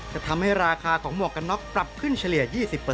จะทำให้ราคาของหมวกกันน็อกปรับขึ้นเฉลี่ย๒๐